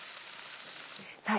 さぁ